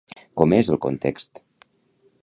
Com és el context?